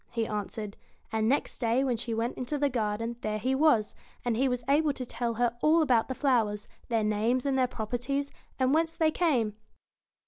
he answered; and next day when she went into the garden there he was, and he was able to tell her all about the flowers, their names and their properties, and whence they came.